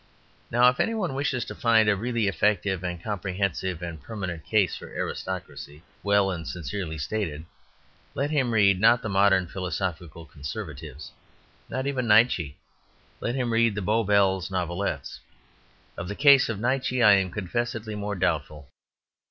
Now if any one wishes to find a really effective and comprehensible and permanent case for aristocracy well and sincerely stated, let him read, not the modern philosophical conservatives, not even Nietzsche, let him read the Bow Bells Novelettes. Of the case of Nietzsche I am confessedly more doubtful.